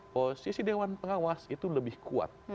posisi dewan pengawas itu lebih kuat